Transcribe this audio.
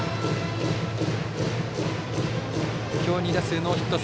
今日２打数ノーヒット。